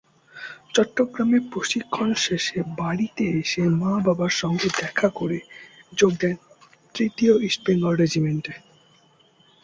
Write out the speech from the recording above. চট্টগ্রামে প্রশিক্ষণ শেষে বাড়িতে এসে মা-বাবার সঙ্গে দেখা করে যোগ দেন তৃতীয় ইস্ট বেঙ্গল রেজিমেন্টে।